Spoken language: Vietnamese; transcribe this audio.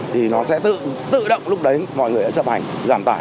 thì nó sẽ tự động lúc đấy mọi người chấp hành giảm tài